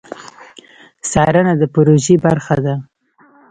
څارنه د پروژې برخه ده